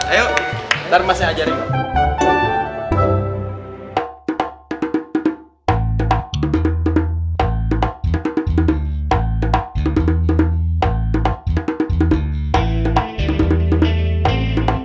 ayo siapa yang mau coba duluan